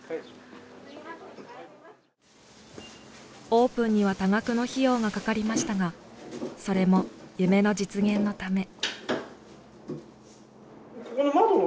オープンには多額の費用がかかりましたがそれも夢の実現のため。